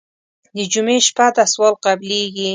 د جمعې شپه ده سوال قبلېږي.